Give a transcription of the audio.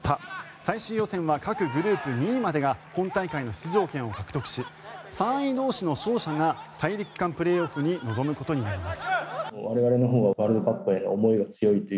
最終予選は各グループ２位までが本大会の出場権を獲得し３位同士の勝者が大陸間プレーオフに臨むことになります。